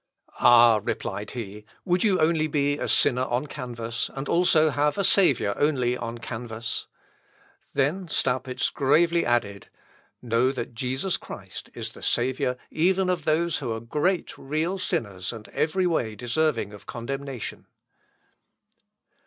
"Ah!" replied he, "would you only be a sinner on canvass, and also have a Saviour only on canvass?" Then Staupitz gravely added, "Know that Jesus Christ is the Saviour even of those who are great, real sinners, and every way deserving of condemnation."